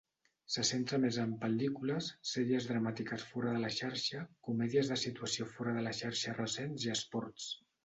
Se centra més en pel·lícules, sèries dramàtiques fora de la xarxa, comèdies de situació fora de la xarxa recents i esports.